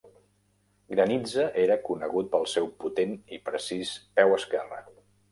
Granitza era conegut pel seu potent i precís peu esquerre.